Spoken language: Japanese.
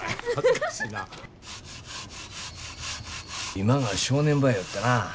今が正念場やよってな。